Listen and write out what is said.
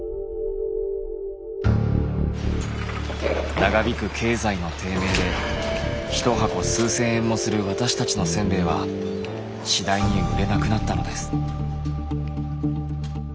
長引く経済の低迷で一箱数千円もする私たちのせんべいは次第に売れなくなったのです。